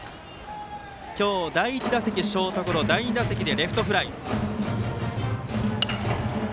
今日第１打席ショートゴロ第２打席でレフトフライ。